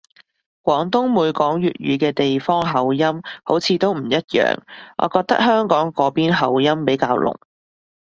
廣東每講粵語嘅地方口音好似都唔一樣，我覺得香港嗰邊口音比較濃